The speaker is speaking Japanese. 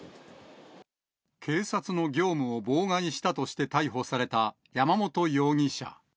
警察の業務を妨害したとして逮捕された山本容疑者。